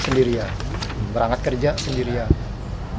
sendirian berangkat kerja sendirian